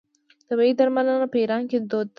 طبیعي درملنه په ایران کې دود ده.